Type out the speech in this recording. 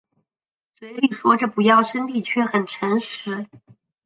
嘴里说着不要身体却很诚实